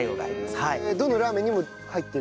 どのラーメンにも入ってる？